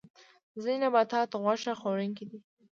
ځینې نباتات غوښه خوړونکي دي